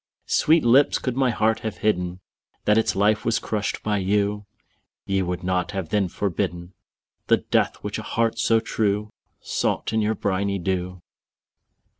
_15 4. Sweet lips, could my heart have hidden That its life was crushed by you, Ye would not have then forbidden The death which a heart so true Sought in your briny dew.